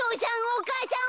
お母さん。